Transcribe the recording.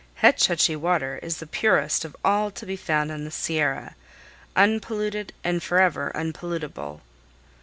"Hetch Hetchy water is the purest of all to be found in the Sierra, unpolluted, and forever unpollutable."